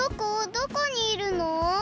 どこにいるの？